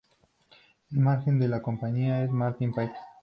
El mánager de la compañía es Martin Pike.